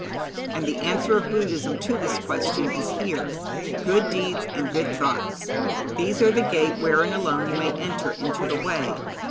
And the answer of Buddhism to this question is here: good deeds and good thoughts these are the gate wherein alone you may enter into the way.